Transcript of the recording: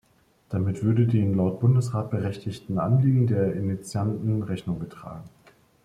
Damit würden den laut Bundesrat berechtigten Anliegen der Initianten Rechnung getragen.